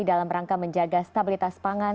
dalam rangka menjaga stabilitas pangan